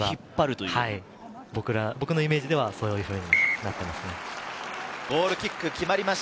僕のイメージではそういうふうになっています。